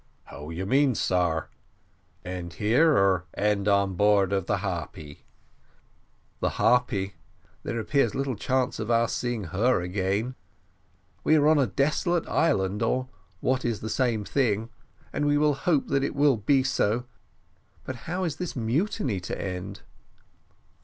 "How do you mean, sar? end here, or end on board of de Harpy?" "The Harpy! there appears little chance of our seeing her again we are on a desolate island, or what is the same thing; but we will hope that it will be so: but how is this mutiny to end?"